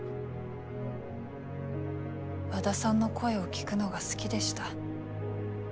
和田さんの声を聞くのが好きでした。